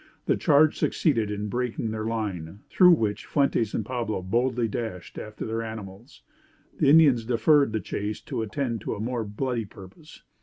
The charge succeeded in breaking their line, through which Fuentes and Pablo boldly dashed after their animals. The Indians deferred the chase to attend to a more bloody purpose.